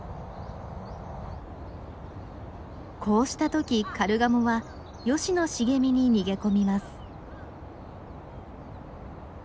こうした時カルガモはヨシの茂みに逃げ込みます。